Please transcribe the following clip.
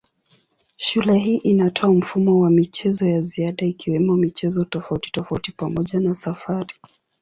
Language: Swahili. Shule hii inatoa mfumo wa michezo ya ziada ikiwemo michezo tofautitofauti pamoja na safari.